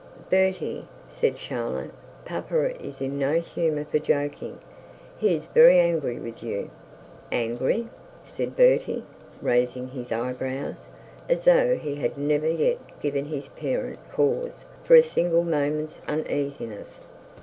'Bertie,' said Charlotte, 'papa is in no humour for joking. He is very angry with you.' 'Angry!' said Bertie, raising his eyebrows, as though he had never yet given his parent cause for a single moment's uneasiness.